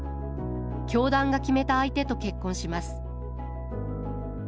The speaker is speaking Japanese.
教団が決めた相手と結婚します